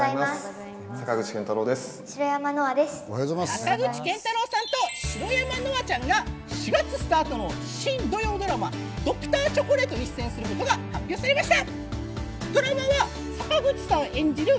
坂口健太郎さんと白山乃愛ちゃんが４月スタートの新土曜ドラマ『Ｄｒ．チョコレート』に出演することが発表されました。